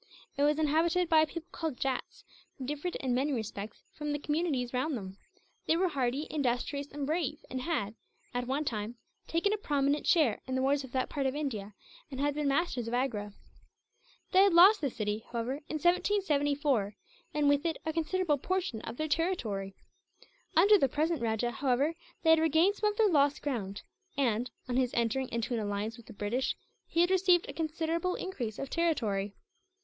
It was inhabited by a people called Jats, who differed in many respects from the communities round them. They were hardy, industrious, and brave; and had, at one time, taken a prominent share in the wars of that part of India, and had been masters of Agra. They had lost the city, however, in 1774; and with it a considerable portion of their territory. Under the present rajah, however, they had regained some of their lost ground and, on his entering into an alliance with the British, he had received a considerable increase of territory.